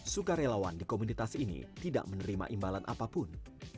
sukarelawan di komunitas ini tidak menerima imbalan apapun